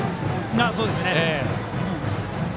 そうですね。